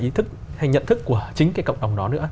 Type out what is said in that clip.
ý thức hay nhận thức của chính cái cộng đồng đó nữa